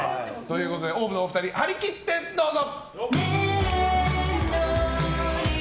ＯＷＶのお二人張り切ってどうぞ！